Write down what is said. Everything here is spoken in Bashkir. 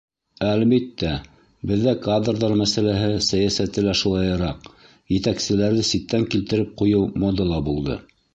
Әлбиттә, беҙҙә кадрҙар мәсьәләһе сәйәсәте лә шулайыраҡ — етәкселәрҙе ситтән килтереп ҡуйыу модала булды.